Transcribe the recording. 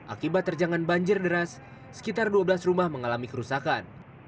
akibat terjangan banjir deras sekitar dua belas rumah mengalami kerusakan